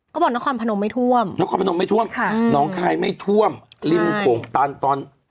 ก็บอกนครพนมไม่ท่วมนครพนมไม่ท่วมค่ะน้องคายไม่ท่วมริมโขงตันตอน